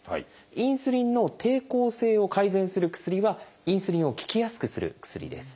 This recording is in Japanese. インスリンの抵抗性を改善する薬はインスリンを効きやすくする薬です。